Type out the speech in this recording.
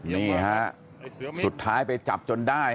นี่ฮะสุดท้ายไปจับจนได้